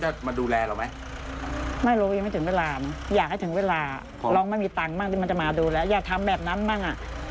ที่มันจะมาดูแลอยากทำแบบนั้นบ้าง